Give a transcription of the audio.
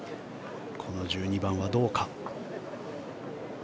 この１２番はどうか。